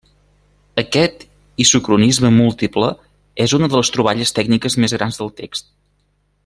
Aquest isocronisme múltiple és una de les troballes tècniques més grans del text.